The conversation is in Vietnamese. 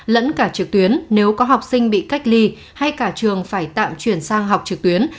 lẫn cả trực tuyến nếu có học sinh bị cách ly hay cả trường phải tạm chuyển sang học trực tuyến